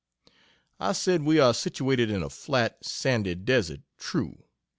I said we are situated in a flat, sandy desert true.